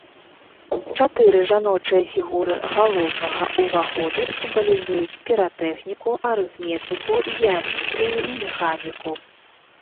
Чатыры жаночыя фігуры галоўнага ўваходу сімвалізуюць піратэхніку, арыфметыку, геаметрыю і механіку.